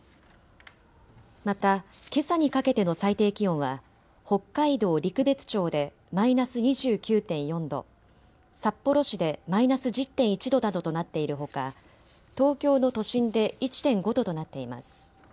また、けさにかけての最低気温は北海道陸別町でマイナス２９．４度、札幌市でマイナス１０．１度などとなっているほか東京の都心で１．５度となっています。